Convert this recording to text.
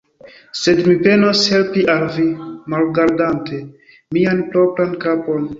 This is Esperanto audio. Sed mi penos helpi al vi, malgardante mian propran kapon.